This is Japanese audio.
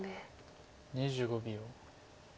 ２５秒。